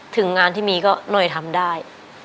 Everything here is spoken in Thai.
ถึงงานที่มีก็หน่อยทำได้